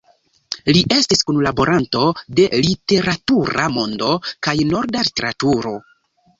Li estis kunlaboranto de "Literatura Mondo" kaj "Norda Literaturo.